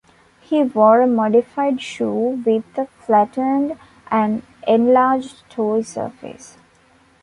He wore a modified shoe with a flattened and enlarged toe surface.